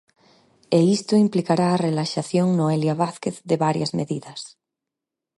E isto implicará a relaxación Noelia Vázquez de varias medidas.